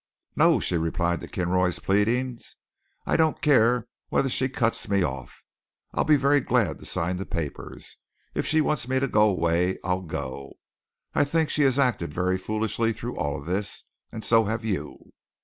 "No," she replied to Kinroy's pleadings, "I don't care whether she cuts me off. I'll be very glad to sign the papers. If she wants me to go away, I'll go. I think she has acted very foolishly through all this, and so have you."